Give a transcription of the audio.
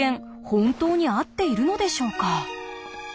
本当に合っているのでしょうか？